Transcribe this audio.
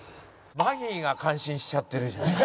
マギーが感心しちゃってるじゃない。